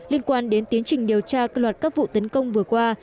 liên quan đến tiến trình điều tra cơ loạt các vụ tấn công vừa qua